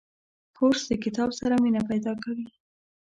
کورس د کتاب سره مینه پیدا کوي.